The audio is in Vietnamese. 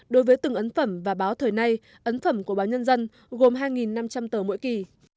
đối với từng ấn phẩm và báo thời nay ấn phẩm của báo nhân dân gồm hai năm trăm linh tờ mỗi kỳ